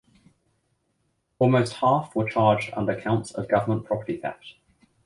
Almost half were charged under counts of government property theft.